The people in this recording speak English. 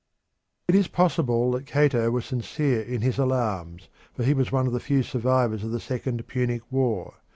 It is possible that Cato was sincere in his alarms, for he was one of the few survivors of the second Punic War.